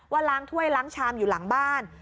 ล้างถ้วยล้างชามอยู่หลังบ้าน